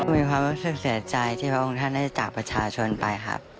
มีความรู้สึกเสียใจที่พระองค์ท่านได้จากประชาชนไปครับ